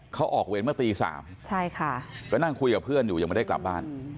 เขาออกเวรเมื่อตี๓ใช่ค่ะก็นั่งคุยกับเพื่อนอยู่ยังไม่ได้กลับบ้าน